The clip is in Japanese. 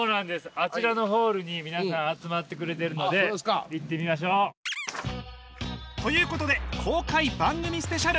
あちらのホールに皆さん集まってくれてるので行ってみましょう！ということで公開番組スペシャル！